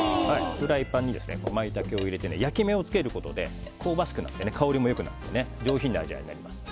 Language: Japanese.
フライパンにマイタケを入れて焼き目をつけることで香ばしくなって香りも良くなり上品な味わいになります。